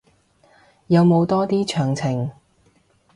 有冇多啲詳情